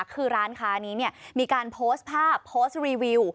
คือร้านค้านี้มีการโพสต์ภาพโพสต์รีวิว